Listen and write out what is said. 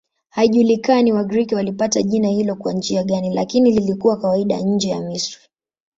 Haijulikani Wagiriki walipata jina hilo kwa njia gani, lakini lilikuwa kawaida nje ya Misri.